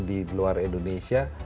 di luar indonesia